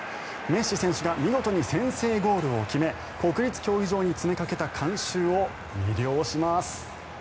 メッシ選手が見事に先制ゴールを決め国立競技場に詰めかけた観衆を魅了します。